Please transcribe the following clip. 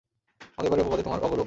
আমাদের বাড়ির অপবাদে তোমার অগৌরব।